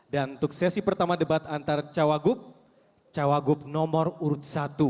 dan untuk sesi pertama debat antara cawaguk cawaguk nomor urut satu